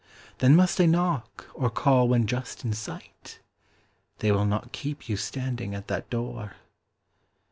Then must I knock, or call when just in sight? They will not keep you standing at that door.